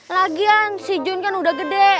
lagian si jun kan udah gede